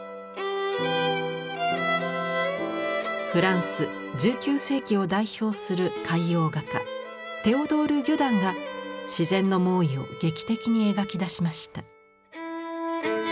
フランス１９世紀を代表する海洋画家テオドール・ギュダンが自然の猛威を劇的に描き出しました。